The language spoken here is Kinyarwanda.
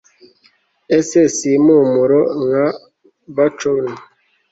ese si impumuro nka bacon